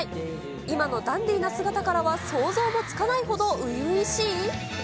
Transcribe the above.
今のダンディーな姿からは想像もつかないほどういういしい？